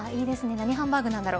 何ハンバーグなんだろ。